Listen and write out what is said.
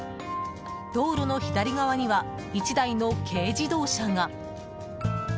道路の左側には１台の軽自動車が。